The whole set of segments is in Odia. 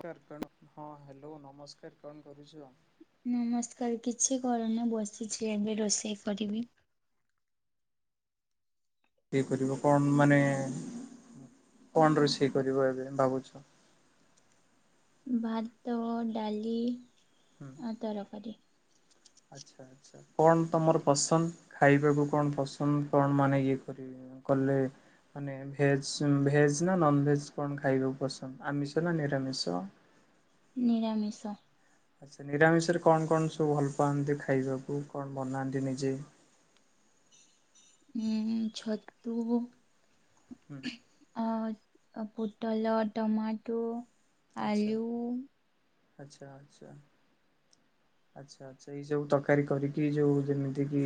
ହଁ ହ୍ୟାଲୋ ନମସ୍କାର କଣ କରୁଛ? ନମସ୍କାର କିଛି କରେନି ବସିଛି ଏବେ ରୋଷେଇ କରିବି। ଇଏ କରିବ କଣ ମାନେ କଣ ରୋଷେଇ କରିବ ଏବେ ଭାବୁଛ? ଭାତ, ଡାଲି ହୁଁ। ତରକାରି। ଆଚ୍ଛା ଆଚ୍ଛା କଣ ତମର ପସନ୍ଦ ଖାଇବାକୁ କଣ ପସନ୍ଦ କଣ ମାନେ ଇଏ କରିବେ? କଲେ ମାନେ ଭେଜ୍ ଭେଜ୍ ନା ନନ ଭେଜ୍ କଣ ଖାଇବାକୁ ପସନ୍ଦ ଆମିଷ ନା ନିରାମିଷ? ନିରାମିଷ। ଆଚ୍ଛା ନିରାମିଷରେ କଣ କଣ ସବୁ ଭଲ ପାଆନ୍ତି ଖାଇବାକୁ କଣ ବନାନ୍ତି ନିଜେ? ଉଁ ଛତୁ ହୁଁ ଅ ପୁଟଲ ଟମାଟୁ। ଆଚ୍ଛା ଆଚ୍ଛା ଆଚ୍ଛା। ଆଚ୍ଛା ଆଛା ଏଇ ସବୁ ତରକାରୀ କରିକି ଯୋଉ ଯେମିତି କିି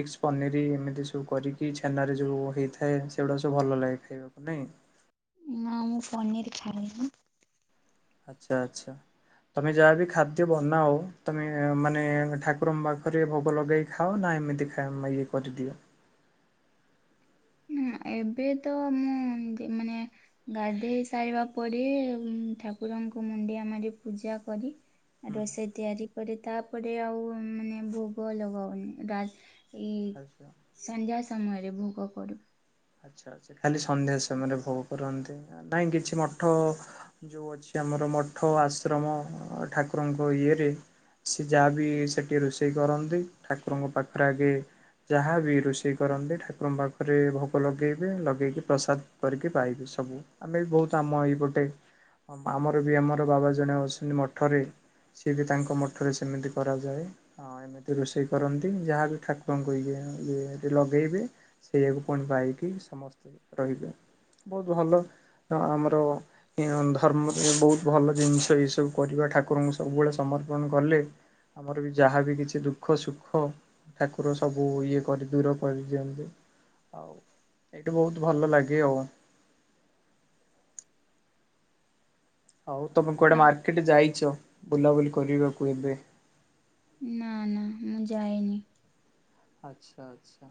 ମିକ୍ସ ପନିର ଏମିତି ସବୁ କରିକି କି ଛେନା ରେ ଯୋଉ ହେଇଥାଏ ସେଗୁଡା ସବୁ ଭଲ ଲାଗେ ଖାଇବାକୁ ନାଇଁ? ନା ମୁଁ ପନିର ଖାଇନି। ଆଚ୍ଛା ଆଛା। ତମେ ଯାହାବି ଖାଦ୍ୟ ବନାଅ ତମେ ମାନେ ଠାକୁରଙ୍କ ପାଖରେ ଭୋଗ ଲଗେଇ ଖାଅ ନା ଏମିତି ଖାଏ ଉଁ ଇଏ କରିଦିଅ। [unintelligible] ଏବେ ତ ମୁଁ ମାନେ ଗାଧେଇ ସାରିବା ପରେ ଠାକୁରଙ୍କୁ ମୁଣ୍ଡିଆ ମାର ପୂଜା କରି ହୁଁ ରୋଷେଇ ତିଆରି କରେ ତାପରେ ଆଉ ମାନେ ଭୋଗ ଲଗାଉନି ଡା ଇ ଆଚ୍ଛା। ସନ୍ଧ୍ୟା ସମୟରେ ଭୋଗ କରୁ। ଆଚ୍ଛା ଆଚ୍ଛା ଖାଲି ସନ୍ଧ୍ୟା ସମୟରେ ଭୋଗ କରନ୍ତି ନାଇଁ କିଛି ମଠ ଯୋଉ ଅଛି ଆମର ମଠ ଆଶ୍ରମ ଠାକୁରଙ୍କ ଇଏରେ ସି ଯାହା ବି ସେଠି ରୋଷେଇ କରନ୍ତି ଠାକୁରଙ୍କ ପାଖରେ ଆଗେ ଯାହା ବିି ରୋଷେଇ କରନ୍ତି ଠାକୁରଙ୍କ ପାଖରେ ଭୋଗ୍ ଲୋକ ଲଗେଇବେ ଲଗେଇକି ପ୍ରସାଦ କରିକି ପାଇବେ ସବୁ। ଆମେ ବି ବହୁତ ଆମ ଏଇପଟେ ହଁ ଆମର ବି ଆମର ବାବା ଜଣେ ଅଛନ୍ତି ମଠରେ ସିଏ ବି ତାଙ୍କ ମଠରେ ସେମିତି କରାଯାଏ। ଆ ହଁ ଏମିତି ରୋଷେଇ କରନ୍ତି ଯାହା ବିି ଠାକୁରଙ୍କୁ ଇଏ ଇଏ ଲଗେଇବେ ସେଇଆକୁ ପନ୍ ପାଇକି ସମସ୍ତେ ରହିବେ। ବହୁତ ଭଲ ଆମର ଧର୍ମରେ ବହୁତ ଭଲ ଜିନିଷ ଏ ସବୁ କରିବା ଠାକୁରଙ୍କୁ ସବୁବେଳେ ସମର୍ପଣ କଲେ ଆମର ବି ଯାହାବ କିଛି ଦୁଃଖ ସୁଖ ଠାକୁର ସବୁ ଇଏ କରି ଦୂର କରିଦିଅନ୍ତି। ହଉ ଏଇଠି ବହୁତ ଭଲ ଲାଗେ ଆଉ। ଆଉ ତମେ କୁଆଡେ ଆ ମାର୍କେଟ ଯାଇଛ ବୁଲାବୁଲି କରିବାକୁ ଏବେ। ନା ନା ମୁଁ ଯାଏନି। ଆଚ୍ଛା ଆଚ୍ଛା।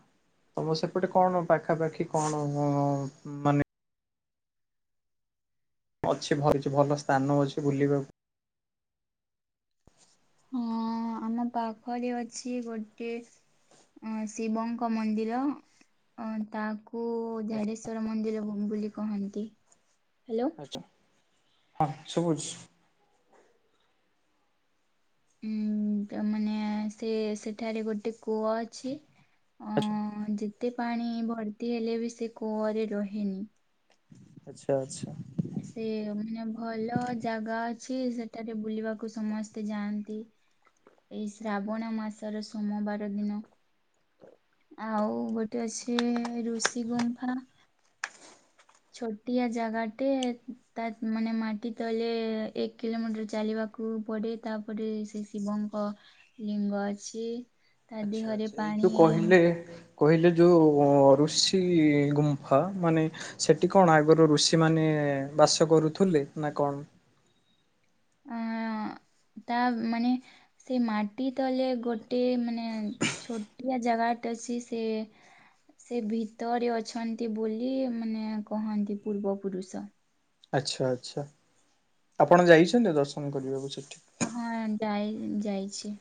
ତମ ସେପଟେ କଣ ପାଖାପାଖି କଣ ମାନେ ଅଛି ଭଲଛି ଭଲ ସ୍ଥାନ ଅଛି ବୁଲିବାକୁ। ହଁ ଆମ ପାଖରେ ଅଛି ଗୋଟେ ଆଁ ଶିବଙ୍କ ମନ୍ଦିର। ଆଁ ତାକୁ ବୋଉ ଝାଡେଶ୍ଵର ମନ୍ଦିର ହୋମ ବୋଲି କହନ୍ତି। ହ୍ୟାଲୋ। ହଁ ସୁବୁଛି ଉଁ ତାମାନେ ସେ ସେଠାରେ ଗୋଟେ କୂଅ ଅ ଛି। ଆଚ୍ଛା ଆଁ ଯେତେ ପାଣି ଭର୍ତି ହେଲେ ବି ସେ କୂଅରେ ରହେନି। ଆଚ୍ଛା ଆଚ୍ଛା। ସେ ମାନେ ଭଲ ଜାଗା ଅଛି ସେଠାରେ ବୁଲିବାକୁ ସମସ୍ତେ ଯାଆନ୍ତି। ଏଇ ଶ୍ରାବଣ ମାସର ସୋମବାର ଦିନ। ଆଉ ଗୋଟେ ଅଛି ଋଷିଗୁମ୍ଫା। ଛୋଟିଆ ଜାଗାଟେ ତା ମାନେ ମାଟିିତଲେ ଏକ କିଲୋମିଟର ଚାଲିବା କୁ ପଡେ ତାପରେ ସେ ଶିବଙ୍କ ଲିଙ୍ଗ ଅଛି। ତା ଆଚ୍ଛା ଦେହରେ ଆଛା ଏଇ ପାଣି ଯୋଉ କହିଲେ କହିଲେ ଯେଉଁ ଋଷି ଗୁମ୍ଫା ମାନେ ସେଠି କଣ ଆଗରୁ ଋଷି ମାନେ ବାସ କରୁଥିଲେ ନା କଣ? ଆଁ ତା ମାନେ ସେ ମାଟି ତଲେ ଗୋଟେ ମାନେ ଛୋଟିଆ ଜାଗାଟେ ଅଛି। ସେ ସେ ଭିତରେ ଅଛନ୍ତି ବୋଲି ମାନେ କହନ୍ତି ପୂର୍ବପୁରୁଷ। ଆଚ୍ଛା ଆଚ୍ଛା। ଆପଣ ଯାଇଛନ୍ତି ଦର୍ଶନ କରିବାକୁ ସେଠି? ହଁ ଡାଇଲ ଯାଇଛି।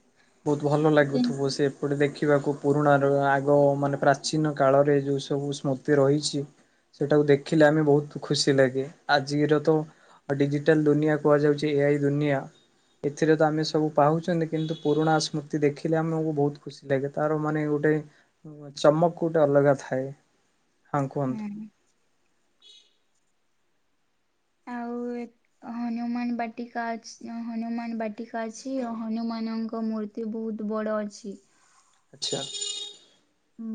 ବହୁତ ଭଲ କିନ୍- ଲାଗୁଥିବ ସେ ଗୋଟେ ଦେଖିବାକୁ ପୁରୁଣା ର ଆଗ ମାନେ ପ୍ରାଚୀନ କାଳରେ ଯୋଉ ସବୁ ସ୍ମୃତି ରହିଛି। ସେଇଟାକୁ ଦେଖିଲେ ଆମେ ବହୁତ ଖୁସି ଲାଗେ। ଆଜିର ତୁ ଆଉ ଡିଜିଟାଲ ଦୁନିଆ କୁହାଯାଉଛି ଏଆଇ ଦୁନିଆ। ଏଥିରେ ତ ଆମେ ସବୁ ପାହୁଛନ୍ତି କିନ୍ତୁ ପୁରୁଣା ସ୍ମୃତି ଦେଖିଲେ ଆମକୁ ବହୁତ ଖୁସି ଲାଗେ। ତାର ମାନେ ଗୋଟେ ଚମକ ଗୋଟେ ଅଲଗା ଥାଏ। ହଁ କୁହନ୍ତୁ? ଆଉଏ ହନୁମାନ ବାଟିକା ଅଛ୍ ହନୁମାନ ବାଟିକା ଅଛି ହନୁମାନଙ୍କ ମୂର୍ତ୍ତି ତ୍ତି ବହୁତ ବଡ଼ ଅଛି। ଆଚ୍ଛା।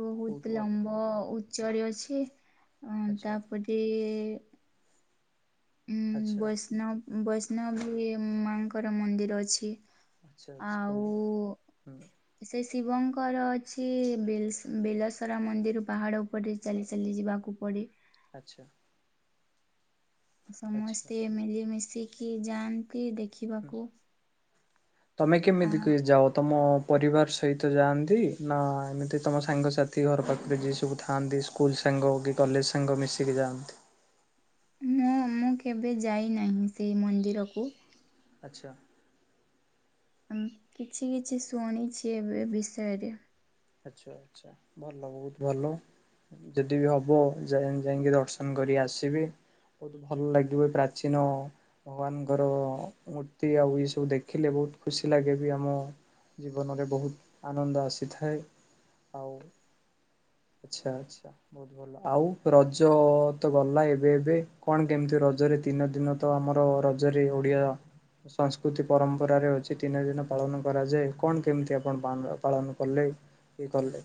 ବହୁତ ଲମ୍ବ ଉଚ୍ଚରେଅଛି ଅଁ ଆଚ୍ଛା ତାପରେ ଆଚ୍ଛା ଉୁଁ ଆଚ୍ଛା ବୈଷ୍ଣବ ବୈଷ୍ଣବଦେବି ମାଙ୍କର ମନ୍ଦିର ଅଛି। ଆଚ୍ଛା ଆଚ୍ଛା ବହୁତ ହୁଁ। ସେଇ ଶିବଙ୍କର ଅଛି ବେଲ ବେଲସରା ମନ୍ଦିର ପାହାଡ ଉପରେ ଚାଲି ଚାଲି ଯିବାକୁ ପଡେ। ଆଚ୍ଛା। ଆଚ୍ଛା ସମସ୍ତେ ମିଳିମିଶିକି ଯାଆନ୍ତି ହୁଁ। ଦେଖିବାକୁ। ତମେ ଆ କେମିତିକି ଯାଅ ତମ ପରିବାର ସହିତ ଯାଆନ୍ତି ନା ଏମିତି ତମ ସାଙ୍ଗସାଥି ଘର ପାଖରେ ଯିଏ ସବୁ ଥାଆନ୍ତି। ସ୍କୁଲ ସାଙ୍ଗ କିକଲେଜ ସାଙ୍ଗ ମିଶିକି ଯାଆନ୍ତି। ନାଁ ମୁଁ କେବେ ଯାଇନାହିଁ ସେହି ମନ୍ଦିରକୁ। ଆଚ୍ଛା। [unintelligible] କିଛି କିଛି ଶୁଣିଛି ଏବେ ବିଷୟରେ। ଆଚ୍ଛା ଆଚ୍ଛା ଭଲ ବହୁତ ଭଲ। ଯଦିବି ହବ ଯାଇ ଯାଇକି ଦର୍ଶନ କରିଆସିବି। ବହୁତ ଭଲ ଲାଗିବ ପ୍ରାଚୀନ ଭଗବାନଙ୍କର ମୂର୍ତ୍ତି ଆଉ ଏସବୁ ଦେଖିଲେ ବହୁତ ଖୁସିଲାଗେବି ଆମ ଜୀବନରେ ବହୁତ ଆନନ୍ଦ ଆସିଥାଏ। ଆଉ [inaudible] ଆଚ୍ଛା ଆଚ୍ଛା ବହୁତ ଭଲ। ଆଉ ରଜତ ଗଲା ଏବେ ଏବେ କଣ କେମିତି ରଜରେ ଦିନ ଦିନ ତ ଆମର ରଜରେ ଓଡିଆ। ସଂସ୍କୃତି ପରମ୍ପରାରେ ଅଛି ତିନି ଦିନ ପାଳନ କରାଯାଏ କଣ କେମିତି ଆପଣ ପାନ ପାଳନ କଲେ? କି କଲେ।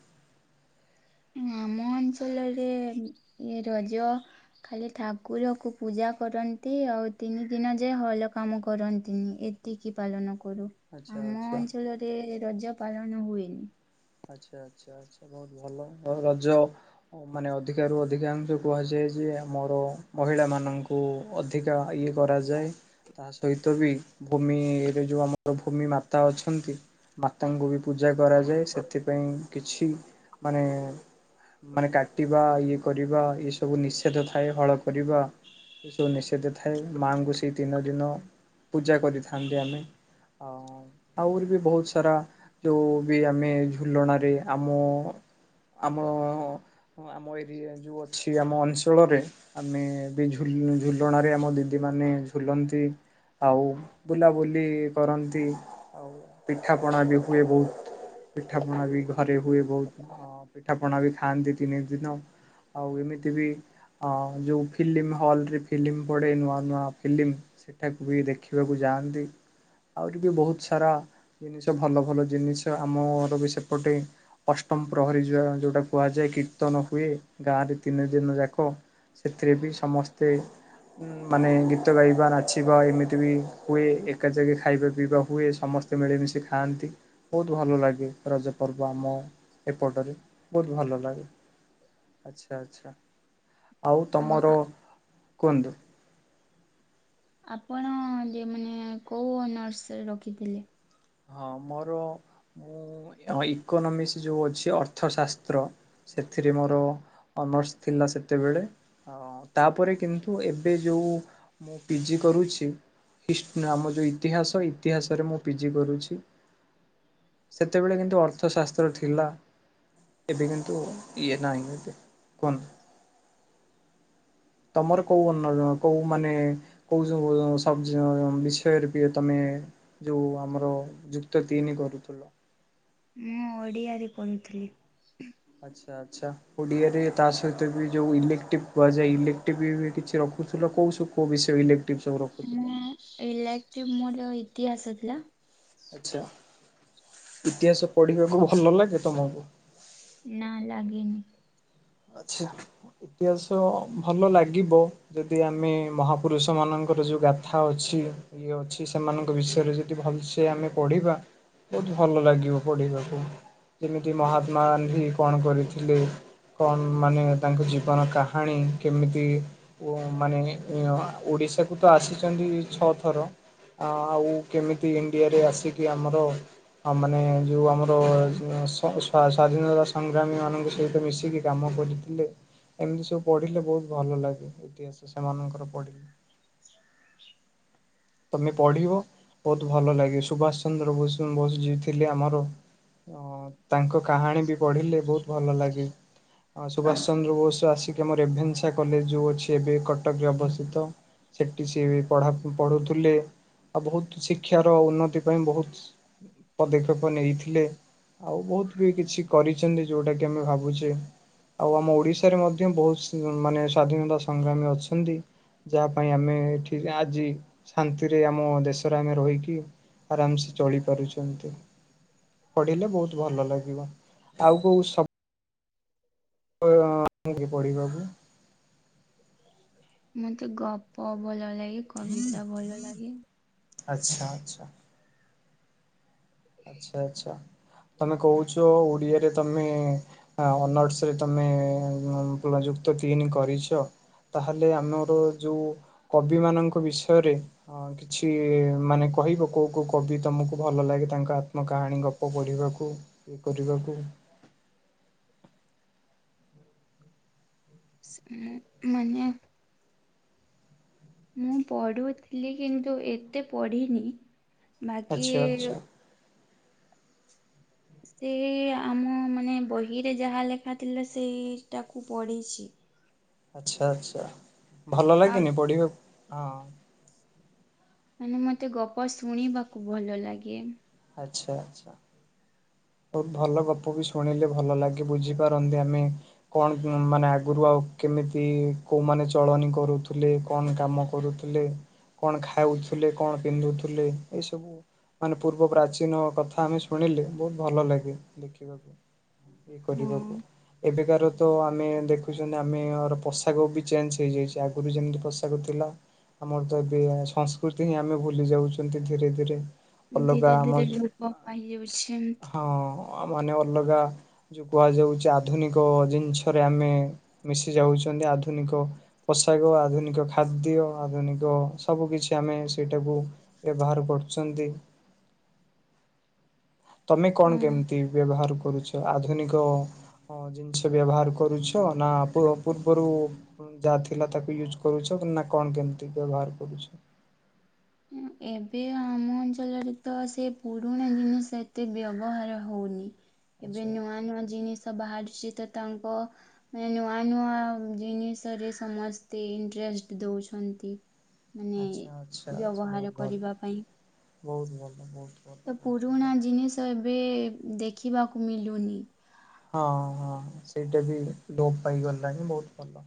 ଆମ ଅଞ୍ଚଲରେ ରଜ ଖାଲି ଠାକୁରକୁ ପୂଜା କରନ୍ତି ଆଉ ତିନି ଦିନ ଯାଏଁ ହଲ କାମ କରନ୍ତି ଏତି ଏତିକି ପାଳନକରୁ ଆଚ୍ଛା ଆମ ଆଚ୍ଛା ଅଞ୍ଚଳରେ ରଜ ପାଳନ ହୁଏନି। ଆଚ୍ଛା ଆଚ୍ଛା ଆଚ୍ଛା ବହୁତ ଭଲ ଆଉ ରଜ ମାନେ ଅଧିକରୁ ଅଧିକାଂଶ କୁହାଯାଏଯେ ଆମର ମହିଳା ମାନଙ୍କୁ ଅଧିକା ଇଏ କରାଯାଏ। ତାସହିତବି ଭୂମିରେ ଯୋଉ ଆମର ଭୂମିମାତା ଅଛନ୍ତି। ମାତାଙ୍କୁବି ପୂଜା କରାଯାଏ ସେ ସେଥିପାଇଁ କିଛି ମାନେ ମାନେ କାଟିବା ଇଏ କରିବା ଏସବୁ ନିଷେଧଥାଏ ହଳ କରିବା। ଏସବୁ ନିଷେଧ ଥାଏ ମାଆଙ୍କୁ ସେଇ ତିନିଦିନ ପୂଜା କରିଥାନ୍ତି ଆମେ ଆଉ ଅଁ ଆହୁରିବି ବହୁତସାରା ଯୋଉବି ଆମେ ଝୁଲଣାରେ ଆମ ଆମ ଓହୋ ଆମ ଏରିଆ ଯୋଉଅଛି ଆମ ଅଞ୍ଚଳରେ ଆମେବି ଝୁଲ ଝୁଲଣାରେ ଆମ ଦିଦି ମାନେ ଝୁଲନ୍ତି। ଆଉ ବୁଲାବୁଲି କରନ୍ତି ଆଉ ପିଠାପଣାବି ହୁଏ ବହୁତ। ପିଠା ପଣାବି ଘରେହୁଏ ବହୁତ ପିଠା ପଣାବି ଖାଆନ୍ତି ତିନି ଦିନ। ଆଉ ଏମିତିବି ହଁ ଯୋଉ ଫିଲ୍ମି ହଲରେ ଫିଲ୍ମିପଡେ ନୂଆ ନୂଆ ଫିଲ୍ମି। ସେଠାକୁ ବି ଦେଖିବାକୁ ଯାଆନ୍ତି। ଆଉରି ବି ବହୁତ ସାରା ଜିନିଷ ଭଲ ଭଲ ଜିନିଷ ଆମର ବି ସେପଟେ ଅଷ୍ଟମ ପ୍ରହରୀ ଯ- ଯୋଉଟା କୁହାଯାଏ କୀର୍ତ୍ତନ ହୁଏ, ଗାଁ ରେ ତିନି ଦିନ ଯାକ। ସେଥିରେ ବି ସମସ୍ତେ ଉଁ, ମାନେ ଗୀତ ଗାଇବା ନାଚିବା ଏମିତି ବି ହୁଏ। ଏକା ଜାଗେ ଖାଇବା ପିଇବା ହୁଏ। ସମସ୍ ତେ ମିଳିମିଶି ଖାଆନ୍ତି, ବହୁତ ଭଲ ଲାଗେ। ରଜପର୍ବ ଆମ ଏପଟରେ ବହୁତ ଭଲ ଲାଗେ। ଆଚ୍ଛା, ଆଚ୍ଛା, ଆଉ ଆ, ତୋମର ଆ- କୁହନ୍ତୁ ଆପଣ ଯେ ମାନେ କୋଉ ଅନର୍ସରେ ରଖିଥିଲେ? ହଁ ମୋର ମୁଁ ହଁ ଇକୋନୋମିକ୍ସ ଯୋଉ ଅଛି ଅର୍ଥଶାସ୍ତ୍ର ସେଥିରେ ମୋର ଅନର୍ସ ଥିଲା ସେତେବେଳେ। ଆ ହଁ ତାପରେ କିନ୍ତୁ ଏବେ ଯୋଉ ମୁଁ ପିଜି କରୁଛି, ହିଷ୍ ନା ଆମ ଯୋଉ ଇତିହାସ ଇତିହାସରେ ମୁଁ ପି ଜି କରୁଛି। ସେତେବେଳେ କିନ୍ତୁ ଅର୍ଥଶାସ୍ତ୍ର ଥିଲା। ଏବେ କିନ୍ତୁ ଇଏ ନାହିଁ ଏବେ। କୁହନ୍ତୁ। ତୋମର କୋଉ ଅନର କୋଉ ମାନେ କୋଉ ଯୁ ସବଜେ ଅ, ବିଷୟ ରେ ବିଏ ତୋମେ ଯୋଉ ଆମର ଯୁକ୍ତ ତିନି କରୁଥିଲ? ମୁଁ ଓଡ଼ିଆରେ ପଢ଼ୁଥିଲି। ଆଚ୍ଛା ଆଚ୍ଛା। ଓଡ଼ିଆରେ ତା ସହିତ ବି ଯୋଉ ଇଲେକ୍ଟିବ୍ କୁହାଯାଏ, ଇଲେକ୍ଟିବ୍ ବି ବି କିଛି ରଖୁଥିଲ, କୋଉ ସୁ- କୋଉ ବିଷୟ ଇଲେ ନା ଏ ଇଲେକ୍ଟିବ୍ ମୋର ଇତିହାସ ଥିଲା। ଆଚ୍ଛା, ଇତିହାସ ପଢିବାକୁ ଭଲ ଲାଗେ ତୋମକୁ? ନା ଲାଗିନି। ଆଚ୍ଛା ଇତିହାସ ଭଲ ଲାଗିବ। ଯଦି ଆମେ ମହାପୁରୁଷ ମାନଙ୍କର ଯୋଉ ଗାଥା ଅଛି। ଇଏ ଅଛି ସେମାନଙ୍କ ବିଷୟରେ ଯଦି ଭଲସେ ଆମେ ପଢିବା। ତ ଭଲ ଲାଗିବ ପଢ଼ିବାକୁ। ଯେମିତି ମହାତ୍ମା ଗାନ୍ଧୀ କଣ କରିଥିଲେ? କଣ ମାନେ ତାଙ୍କ ଜୀବନ କାହାଣୀ କେମିତି ଓ ମାନେ [unintelligible] ଓଡିଶାକୁ ତ ଆସିଛନ୍ତି ଛଅଥର। ଆ, ଆଉ କେମିତି ଇଣ୍ଡିଆରେ ଆସିକି ଆମର ଆ, ମାନେ ଯୋଉ ଆମର ଅ, ସ-ସ୍ବା-ସ୍ଵାଧୀନତା ସଂଗ୍ରାମୀ ମାନଙ୍କ ସହିତ ମିଶିକି କାମ କରିଥିଲେ। ଏମିତି ସବୁ ପଢିଲେ ବହୁତ ଭଲ ଲାଗେ ଇତିହାସ ସେମାନଙ୍କର ପଢିଲେ। ତୋମେ ପଢିବ ବହୁତ ଭଲ ଲାଗିବ। ସୁଭାଷ ଚନ୍ଦ୍ର ଭୁଷ ବୋଷ ଯିଏ ଥିଲେ ଆମର। ଅଁ, ତାଙ୍କ କାହାଣୀ ବି ପଢିଲେ ବହୁତ ଭଲ ଲାଗେ। ହଁ ସୁଭାଷ ଚନ୍ଦ୍ର ବୋଷ ଆସିକି ଆମ ରେଭେନ୍ସା କଲେଜ୍ ଯୋଉ ଅଛି ଏବେ କଟକରେ ଅବସ୍ଥିତ। ସେଟି ସିଏ ବି ପଢା ଉଁ, ପଢୁଥୁ ଥିଲେ ଆଉ ବହୁତ ଶିକ୍ଷାର ଉନ୍ନତି ପାଇଁ ବହୁତ ପଦକ୍ଷେପ ନେଇଥିଲେ। ଆଉ ବହୁତ ବି କିଛି କରିଛନ୍ତି ଯୋଉଟାକି ଆମେ ଭାବୁଛେ। ଆଉ ଆମ ଓଡିଶାରେ ମଧ୍ୟ ବହୁ ସିଙ୍ଗ ମାନେ ସ୍ଵାଧୀନତା ସଂଗ୍ରାମୀ ଅଛନ୍ତି। ଯାହା ପାଇଁ ଆମେ ଏଠି ଆଜି ଶାନ୍ତିରେ ଆମ ଦେଶରେ ଆମେ ରହିକି ଆରାମ ସେ ଚଳି ପାରୁଚନ୍ତି। ପଢିଲେ ବହୁତ ଭଲ ଲାଗିବ। ଆଉ କୋଉ ସବ ତ ମୁଁ କି ପଢିବାକୁୁ ମତେ ଗପ ଭଲ ଲାଗେ କବିତା ଭଲ ଲାଗେ। ଆଚ୍ଛା ଆଚ୍ଛା। ଆଚ୍ଛା ଆଚ୍ଛା ତମେ କହୁଛ ଓଡିଆରେ ତମେ ଅନର୍ସ ରେ ତମେ ଯୁକ୍ତ ତିନି କରିଚ। ତାହେଲେ ଆମେ ଗୋଟେ ଯୋଉ କବି ମାନଙ୍କ ବିଷୟରେ ହଁ କିଛି ମାନେ କହିବ କୋଉ କୋଉ କବି ତମକୁ ଭଲ ଲାଗେ ତାଙ୍କ ଆତ୍ମା କାହାଣୀ ଗପ ପଢ଼ିବାକୁ ଇଏ କରିବାକୁ। ସିଏ ମାନେ। ମୁଁ ପଢୁଥିଲି କିନ୍ତୁ ଏତେ ପଢିନି ବାକି ଆଚ୍ଛା ଆଚ୍ଛା ସେ ଆମ ମାନେ ବହିରେ ଯାହା ଲେଖା ଥିଲା ସେଇଟାକୁ ପଢ଼ିଛି। ଆଚ୍ଛା ଆଚ୍ଛା ଭଲ ଆଉ ଲାଗେନି ପଢିବାକୁ ହଁ। ମାନେ ମତେ ଗପ ଶୁଣିବାକୁ ଭଲ ଲାଗେ। ଆଚ୍ଛା ଆଚ୍ଛା। ବହୁତ ଭଲ ଗପ ବି ଶୁଣିଲେ ଭଲ ଲାଗେ ବୁଝିପାରନ୍ତି ଆମେ। କଣ ମାନେ ଆଗରୁ ଆଉ କେମିତି କୋଉମାନେ ଚଳଣି କରୁଥିଲେ କଣ କାମ କରୁଥୁ ଥିଲେ କଣ ଖାଉଥିଲେ କଣ ପିନ୍ଧୁଥିଲେ ଏଇ ସବୁ। ମାନେ ପୂର୍ବ ପ୍ରାଚୀନ କଥା ଆମେ ଶୁଣିଲେ ବହୁତ ଭଲ ଲାଗେ ଦେଖିବାକୁ ଇଏ କରିବାକୁ ହଁ ଏବେକାର ତ ଆମେ ଦେଖୁଛନ୍ତି ଆମେ ଆର ପୋଷାକ ବି ଚେଞ୍ଜ ହେଇଯାଇଛି ଆଗରୁ ଯେମିତି ପୋଷାକ ଥିଲା। ଆମର ତ ଏବେ ସଂସ୍କୃତି ହିଁ ଆମେ ଭୁଲି ଯାଉଛନ୍ତି ଧୀରେ ଧୀରେ‌। ଧୀରେ ଧୀରେ ଲୁପପ୍ ପାଇଯାଉଛନ୍ତି। ହଁ ମାନେ ଅଲଗା। ଯୋଉ କୁହାଯାଉଛି ଆଧୁନିକ ଜିନିଷରେ ଆମେ ମିଶି ଯାଉଛନ୍ତି ଆଧୁନିକ, ପୋଷାକ ଆଧୁନିକ ଖାଦ୍ୟ ଆଧୁନିକ ସବୁ କିଛି ଆମେ ସେଇଟାକୁ ବ୍ୟବହାର କରୁଛନ୍ତି। ତମେ କଣ କେମିତି ବ୍ୟବହାର କରୁଛ ଆଧୁନିକ ହଁ ଜିନିଷ ବ୍ୟବହାର କରୁଛ ନା ପୂ-ପୂର୍ବରୁ ଯାହା ଥିଲା ତାକୁ ୟୁଜ୍ କରୁଛ ନା କଣ କେମିତି ବ୍ୟବହାର କରୁଛ। ହୁଁ ଏବେ ଆମ ଅଞ୍ଚଳରେ ତ ସେ ପୁରୁଣା ଜିନିଷ ଏତେ ବ୍ୟବହାର ହୋଉନି। ଏବେ ଆଚ୍ଛା ନୂଆ ନୂଆ ଜିନିଷ ବାହାରିଛି ତ ତାଙ୍କ ଏବେ ନୂଆ ନୂଆ ଜିନିଷରେ ସମସ୍ତେ ଇଣ୍ଟ୍ରେଷ୍ଟ ଦୋଉଛନ୍ତି। ମାନେ ଆଚ୍ଛା ଆଚ୍ଛା ଆଚ୍ଛା ବହୁତ ବ୍ୟବହାର ଭଲ କରିବା ପାଇଁ। ବହୁତ ଭଲ ବହୁତ। ଭଲ ତ ବହୁତ ପୁରୁଣା ଭଲ ଜିନିଷ ଏବେ ଦେଖିବାକୁ ମିଲୁନି। ହଁ ହଁ ସେଇଟା ବି ଲୋପ ପାଇଗଲାଣି ବହୁତ ଭଲ।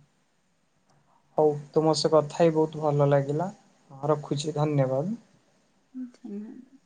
ହଉ ତୁମ ସହ କଥା ହୋଇ ବହୁତ ଭଲ ଲାଗିଲା ହଁ ରଖୁଛି ଧନ୍ୟବାଦ। ଧନ୍ୟବାଦ।